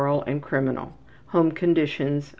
and criminal. Home conditions.